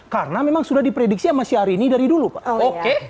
karena memang sudah diprediksi sama syahrini dari dulu pak